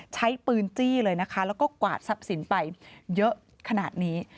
ใช้ปืนจี้เลยนะคะแล้วก็กวาดทรัพย์สินไปเยอะขนาดนี้